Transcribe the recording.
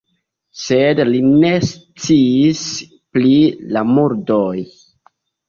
Sed li ne sciis pri la murdoj.